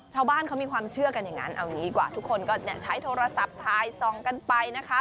ชาวบ้านเขามีความเชื่อกันอย่างนั้นเอาอย่างนี้ดีกว่าทุกคนก็ใช้โทรศัพท์ถ่ายส่องกันไปนะคะ